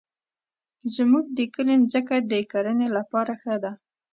زمونږ د کلي مځکه د کرنې لپاره ښه ده.